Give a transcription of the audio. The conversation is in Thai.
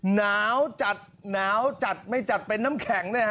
หนาวจัดหนาวจัดไม่จัดเป็นน้ำแข็ง